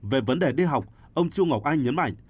về vấn đề đi học ông chu ngọc anh nhấn mạnh